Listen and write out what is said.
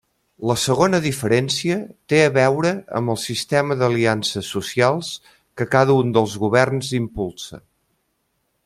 La segona diferència té a veure amb el sistema d'aliances socials que cada un dels governs impulsa.